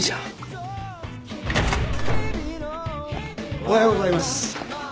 ・おはようございます。